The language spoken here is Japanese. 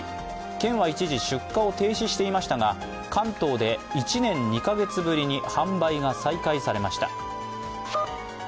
県は一時、出荷を停止していましたが、関東で１年２か月ぶりに販売が再開されました。